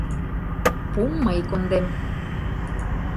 Пум мый кондем.